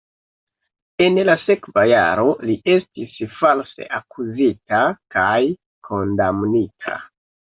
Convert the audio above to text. En la sekva jaro li estis false akuzita kaj kondamnita.